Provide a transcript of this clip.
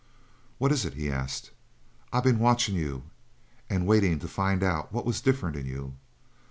"What is it?" he asked. "I been watchin' you, and waitin' to find out what was different in you.